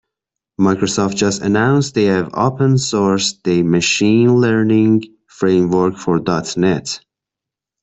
Microsoft just announced they have open sourced their machine learning framework for dot net.